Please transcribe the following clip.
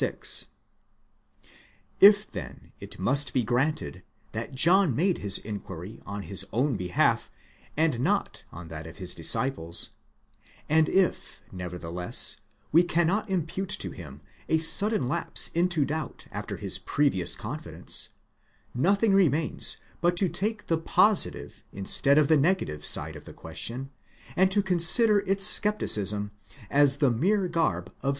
6).° If then it must be granted that John made his inquiry on his own behalf, and not on that of his disciples, and if nevertheless we cannot impute to him a sudden lapse into doubt after his previous confidence ; nothing remains but to take the positive instead of the negative side of the question, and to con sider its scepticism as the mere garb of substantial encouragement.